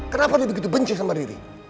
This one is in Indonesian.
kenapa dia begitu benci sama diri